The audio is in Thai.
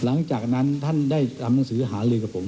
หลังจากนั้นท่านได้พบท่าน